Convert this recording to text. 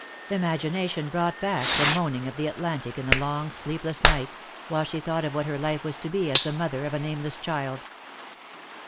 Imagination brought back the moaning of the Atlantic in the long sleepless nights, while she thought of what her Ufa was to be as the mother of a nameless child.